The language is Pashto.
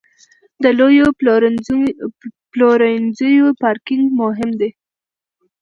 د لویو پلورنځیو پارکینګ مهم دی.